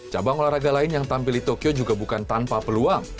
cabang olahraga lain yang tampil di tokyo juga bukan tanpa peluang